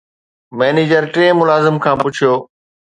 manager ٽئين ملازم کان پڇيو